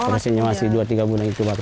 rasanya masih dua tiga bulan itu pak